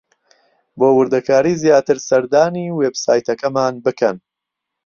بۆ وردەکاریی زیاتر سەردانی وێبسایتەکەمان بکەن.